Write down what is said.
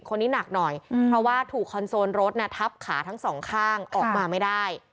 คนนี้หนักหน่อยเพราะว่าถูกคอนโซลรถทับขาทั้งสองข้างออกมาไม่ได้